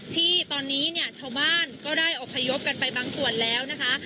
ที่ตอนนี้เนี่ยชาวบ้านก็ได้อบพยพกันไปบางส่วนแล้วนะคะ